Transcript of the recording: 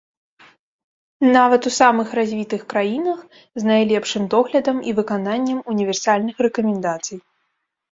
Нават у самых развітых краінах, з найлепшым доглядам і выкананнем універсальных рэкамендацый.